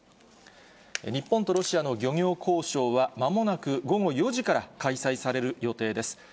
日本とロシアの漁業交渉は、まもなく午後４時から開催される予定です。